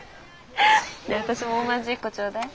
ねえ私もおまんじゅう１個ちょうだい。